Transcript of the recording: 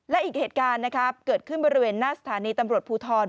และอีกเหตุการณ์นะครับเกิดขึ้นบริเวณหน้าสถานีตำรวจภูทร